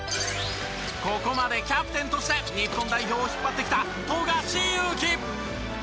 ここまでキャプテンとして日本代表を引っ張ってきた富樫勇樹。